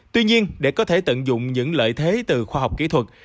tuy nhiên để có thể tận dụng những lợi thế từ khoa học kỹ thuật